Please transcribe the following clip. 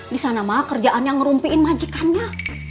disana mah kerjaan yang ngerumpiin majikannya